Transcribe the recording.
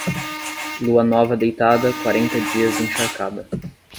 Lua nova deitada, quarenta dias encharcada.